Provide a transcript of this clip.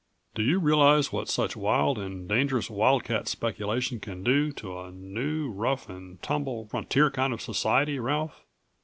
"Do you realize what such wild and dangerous wildcat speculation can do to a new, rough and tumble, frontier kind of society, Ralph?